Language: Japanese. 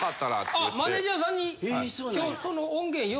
あっマネジャーさんに今日その。